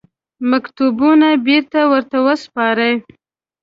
مکتوبونه بېرته ورته وسپاري.